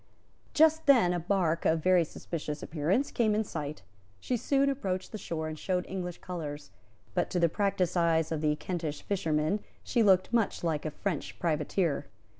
Just then a bark, of very suspicious appearance, came in sight; she soon approached the shore, and showed English colours; but to the practised eyes of the Kentish fishermen she looked much like a French privateer.